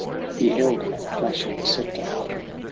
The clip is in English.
He held that flashing sceptre up.